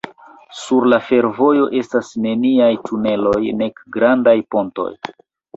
Sur la fervojo estas neniaj tuneloj nek grandaj pontoj.